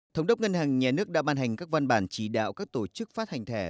thống đốc ngân hàng nhà nước đã ban hành các văn bản chỉ đạo các tổ chức phát hành thẻ